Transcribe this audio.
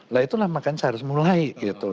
nah itulah makanya saya harus mulai gitu